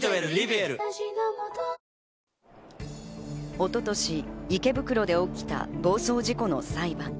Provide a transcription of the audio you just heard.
一昨年、池袋で起きた暴走事故の裁判。